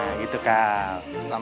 ini yang apa sih